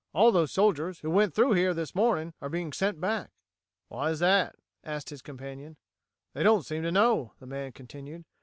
All those soldiers who went through here this morning are being sent back." "Why is that?" asked his companion. "They don't seem to know," the man continued.